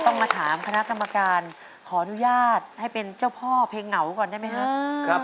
ต้องมาถามคณะกรรมการขออนุญาตให้เป็นเจ้าพ่อเพลงเหงาก่อนได้ไหมครับ